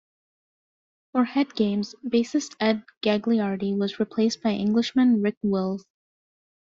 For "Head Games", bassist Ed Gagliardi was replaced by Englishman Rick Wills.